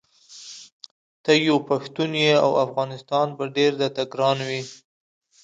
ته یو پښتون یې او افغانستان به ډېر درته ګران وي.